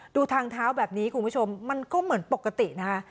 ดูทางเท้าแบบนี้คุณผู้ชมมันก็เหมือนปกตินะคะ